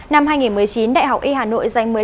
năm hai nghìn một mươi chín đại học y hà nội